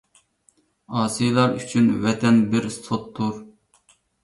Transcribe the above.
ئاسىيلار ئۈچۈن ۋەتەن بىر سوتتۇر.